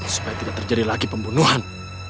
supaya tidak terjadi lagi pembunuhan